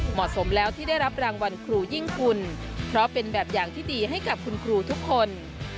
เหมาะสมแล้วที่ได้รับรางวัลครูยิ่งคุณเพราะเป็นแบบอย่างที่ดีให้กับคุณครูทุกคน